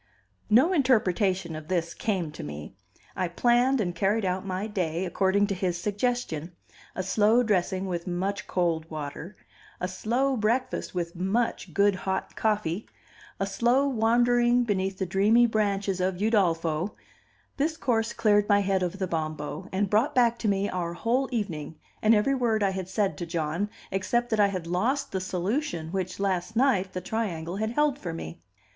No interpretation of this came to me. I planned and carried out my day according to his suggestion; a slow dressing with much cold water, a slow breakfast with much good hot coffee, a slow wandering beneath the dreamy branches of Udolpho, this course cleared my head of the Bombo, and brought back to me our whole evening, and every word I had said to John, except that I had lost the solution which, last night, the triangle had held for me.